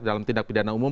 dalam tindak pidana umum